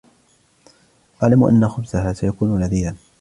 أعلم أن خبزها سيكون لذيذا.